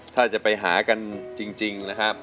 ถ้าไปหากันจริงนะคะ